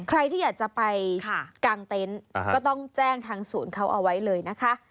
ใครที่อยากจะไปกางเต็นต์ก็ต้องแจ้งทางศูนย์เขาเอาไว้เลยนะคะ